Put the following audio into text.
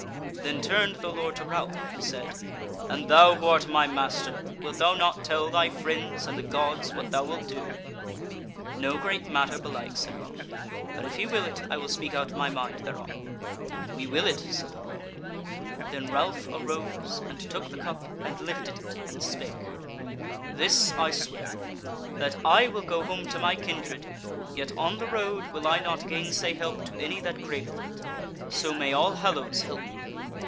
Then turned the Lord to Ralph and said: "And thou who art my master, wilt thou not tell thy friends and the Gods what thou wilt do?" "No great matter, belike," said Ralph; "but if ye will it, I will speak out my mind thereon." "We will it," said the Lord. Then Ralph arose and took the cup and lifted it and spake: "This I swear, that I will go home to my kindred, yet on the road will I not gainsay help to any that craveth it. So may all Hallows help me!"